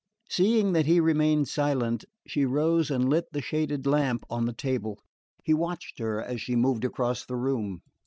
Seeing that he remained silent, she rose and lit the shaded lamp on the table. He watched her as she moved across the room.